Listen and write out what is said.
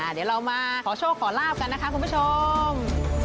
เดี๋ยวเรามาขอโชคขอลาบกันนะคะคุณผู้ชม